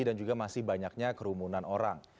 dan juga masih banyaknya kerumunan orang